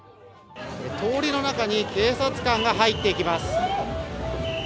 通りの中に警察官が入っていきます。